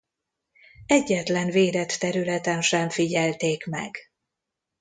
Egyetlen védett területen sem figyelték meg.